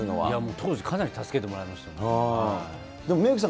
当時、かなり助けてもらいましたもん。